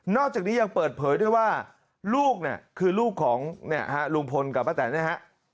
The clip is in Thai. นอกจากนี้ยังเปิดเผยด้วยว่าลูกคือลูกของรุงพลกับปกตินะครับ